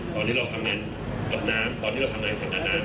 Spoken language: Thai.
ตอนนี้เราทำงานกับน้ำตอนนี้เราทำงานกับน้ำ